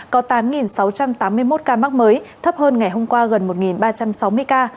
có tám sáu trăm tám mươi một ca mắc mới thấp hơn ngày hôm qua gần một ba trăm sáu mươi ca